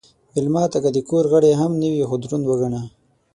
مېلمه ته که د کور غړی هم نه وي، خو دروند وګڼه.